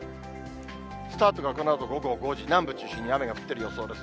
スタートが、このあと午後５時、南部中心に雨が降っている予想です。